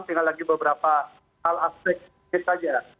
tinggal lagi beberapa hal aspek saja